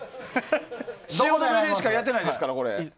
汐留でしかやってないですからこれ。